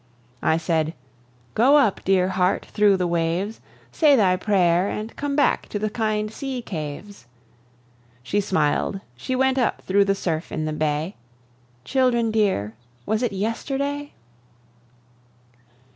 I said: "Go up, dear heart, through the waves; Say thy prayer, and come back to the kind sea caves!" She smil'd, she went up through the surf in the bay. Children dear, was it yesterday?